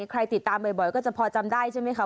ใครติดตามบ่อยก็จะพอจำได้ใช่ไหมคะ